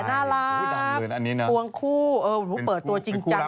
น่ารักควงคู่เออเปิดตัวจริงจัง